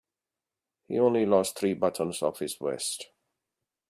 He only lost three buttons off his vest.